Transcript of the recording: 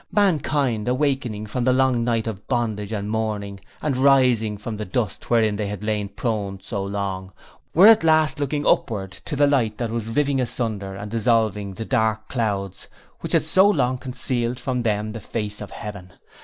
Mankind, awaking from the long night of bondage and mourning and arising from the dust wherein they had lain prone so long, were at last looking upward to the light that was riving asunder and dissolving the dark clouds which had so long concealed from them the face of heaven.